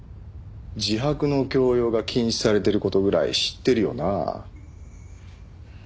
自白の強要が禁止されてる事ぐらい知ってるよな？